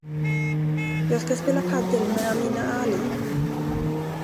Jag ska spela padel med Amina Ali.